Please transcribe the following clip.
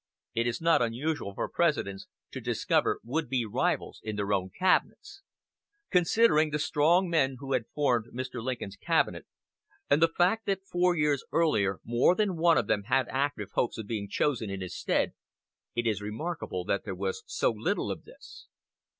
It is not unusual for Presidents to discover would be rivals in their own cabinets. Considering the strong men who formed Mr. Lincoln's cabinet, and the fact that four years earlier more than one of them had active hopes of being chosen in his stead, it is remarkable that there was so little of this.